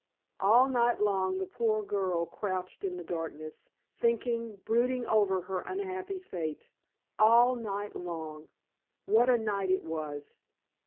All night long the poor girl crouched in the darkness, thinking, brooding over her unhappy fate. All night long! What a night it was!